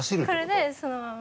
これでそのまま。